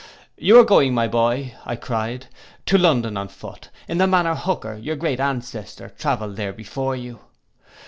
'You are going, my boy,' cried I, 'to London on foot, in the manner Hooker, your great ancestor, travelled there before you.